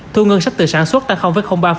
thu ngân sách từ sản xuất tăng ba